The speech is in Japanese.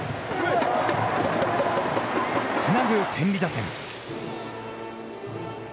つなぐ天理打線。